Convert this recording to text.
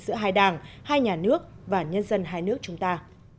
giữa hai đảng hai nhà nước và nhân dân hai nước chúng ta